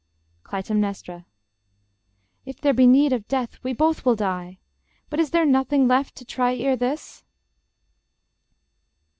Clytemnestra If there be need of death, we both will die! But is there nothing left to try ere this?